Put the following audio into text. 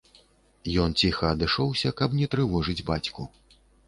Ён ціха адышоўся, каб не трывожыць бацьку.